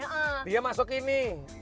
oh dia masuk ini